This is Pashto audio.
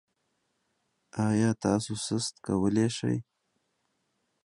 ایا تاسو سست کولی شئ؟